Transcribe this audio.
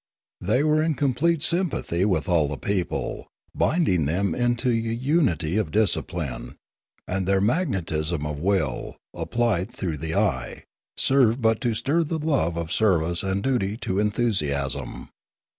They were in complete sympathy with all the people, binding them into a unity of discipline; and their magnetism of will, applied through the eye, served but to stir the love of service and duty to enthusiasm.